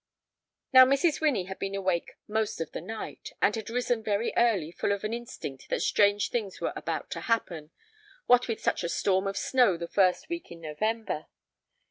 Now Mrs. Winnie had been awake most of the night, and had risen very early full of an instinct that strange things were about to happen, what with such a storm of snow the first week in November.